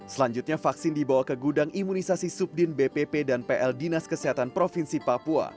selanjutnya vaksin dibawa ke gudang imunisasi subdin bpp dan pl dinas kesehatan provinsi papua